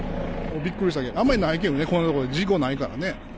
びっくりしたけん、あんまりないけんね、こんな所で事故ないからね。